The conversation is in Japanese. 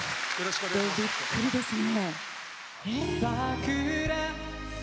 びっくりですね。